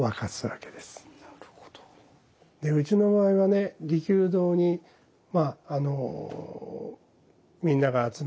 でうちの場合はね利休堂にまあみんなが集まって。